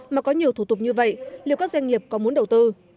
mà có nhiều thủ tục như vậy liệu các doanh nghiệp có muốn đầu tư